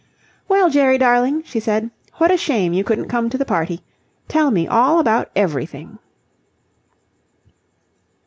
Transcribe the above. "Well, Jerry, darling," she said. "What a shame you couldn't come to the party. Tell me all about everything."